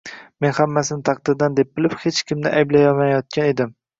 Men hammasini taqdirdan deb bilib, hech kimni ayblamayotgan edim